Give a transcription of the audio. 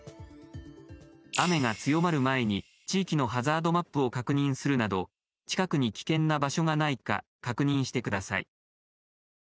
雨が強まる前に、地域のハザードマップを確認するなど近くに危険な場所がないか確認してください。